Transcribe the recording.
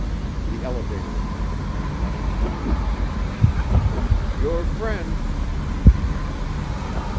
The elevator attendant came running between us. "Your friend " he began.